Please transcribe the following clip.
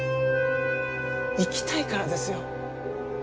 生きたいからですよ。